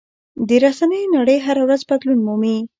د رسنیو نړۍ هره ورځ بدلون مومي.